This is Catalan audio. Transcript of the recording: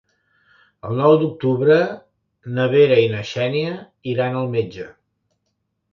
El nou d'octubre na Vera i na Xènia iran al metge.